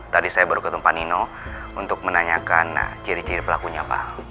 tadi saya baru ketemu pak nino untuk menanyakan ciri ciri pelakunya pak